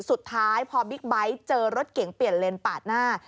สุดท้ายพอบิ๊กไบท์เจอรถเก่งเปลี่ยนเลนปาดหน้า